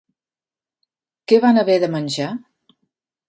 Què van haver de menjar?